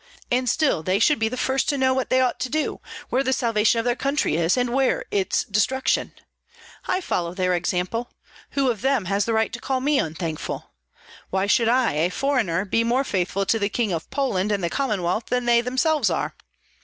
And still they should be the first to know what they ought to do, where the salvation of their country is, and where its destruction. I follow their example; who of them then has the right to call me unthankful? Why should I, a foreigner, be more faithful to the King of Poland and the Commonwealth than they themselves are?